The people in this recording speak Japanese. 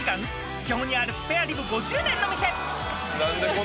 秘境にあるスペアリブ５周年の店。